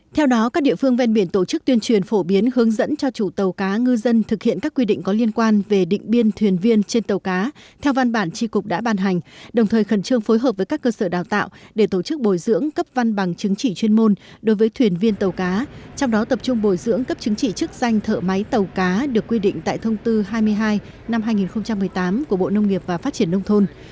theo đó các địa phương ven biển tổ chức tuyên truyền phổ biến hướng dẫn cho chủ tàu cá ngư dân thực hiện các quy định có liên quan về định biên thuyền viên trên tàu cá theo văn bản tri cục đã bàn hành đồng thời khẩn trương phối hợp với các cơ sở đào tạo để tổ chức bồi dưỡng cấp văn bằng chứng chỉ chuyên môn đối với thuyền viên tàu cá trong đó tập trung bồi dưỡng cấp chứng chỉ chức danh thợ máy tàu cá được quy định tại thông tư hai mươi hai năm hai nghìn một mươi tám của bộ nông nghiệp và phát triển nông thôn